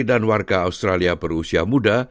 dan warga australia berusia muda